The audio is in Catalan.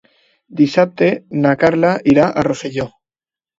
Dissabte na Carla irà a Rosselló.